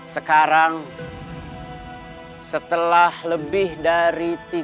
sekarang setelah lebih dari tiga puluh tahun kemudian